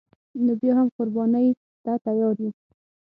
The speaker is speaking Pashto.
نو بیا هم قربانی ته تیار یو